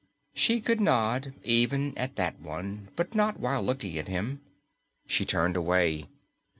She could nod even at that one, but not while looking at him. She turned away.